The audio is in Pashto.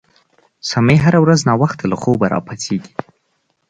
سمیع هره ورځ ناوخته له خوبه پاڅیږي